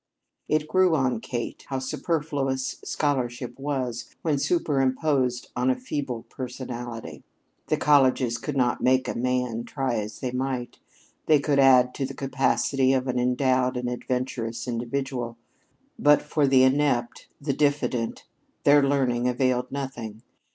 It grew on Kate, how superfluous scholarship was when superimposed on a feeble personality. The colleges could not make a man, try as they might. They could add to the capacity of an endowed and adventurous individual, but for the inept, the diffident, their learning availed nothing.